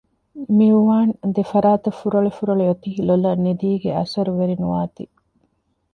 މިއުވާން ދެފަރާތަށް ފުރޮޅި ފުރޮޅި އޮތީ ލޮލަށް ނިދީގެ އަސަރު ވެރިނުވާތީ